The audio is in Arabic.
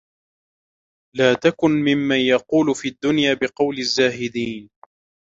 لَا تَكُنْ مِمَّنْ يَقُولُ فِي الدُّنْيَا بِقَوْلِ الزَّاهِدِينَ